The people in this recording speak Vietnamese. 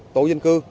tổ dân cư